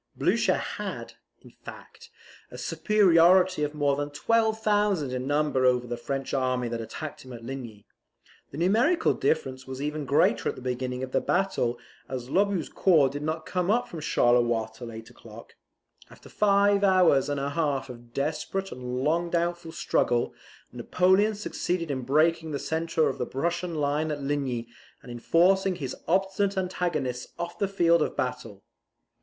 Blucher had, in fact, a superiority of more than 12,000 in number over the French army that attacked him at Ligny. The numerical difference was even greater at the beginning of the battle, as Lobau's corps did not come up from Charleroi till eight o'clock. After five hours and a half of desperate and long doubtful struggle, Napoleon succeeded in breaking the centre of the Prussian line at Ligny, and in forcing his obstinate antagonists off the field of battle.